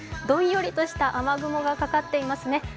どんよりとした雨雲がかかっていますね。